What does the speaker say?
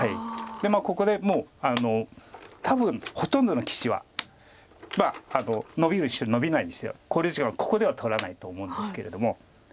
ここでもう多分ほとんどの棋士はまあノビるにしてもノビないにせよ考慮時間をここでは取らないと思うんですけれども。